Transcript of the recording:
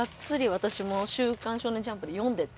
私も「週刊少年ジャンプ」で読んでて。